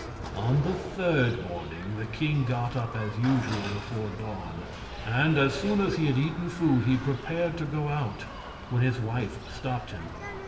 On the third morning the king got up as usual before dawn, and as soon as he had eaten food he prepared to go out, when his wife stopped him.